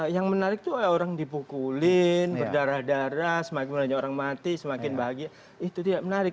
yang menarik itu orang dipukulin berdarah darah semakin banyak orang mati semakin bahagia itu tidak menarik